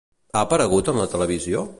Ha aparegut en la televisió?